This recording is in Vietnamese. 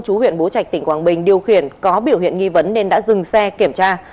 chú huyện bố trạch tỉnh quảng bình điều khiển có biểu hiện nghi vấn nên đã dừng xe kiểm tra